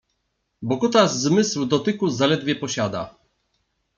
Bo kutas zmysł dotyku zaledwie posiada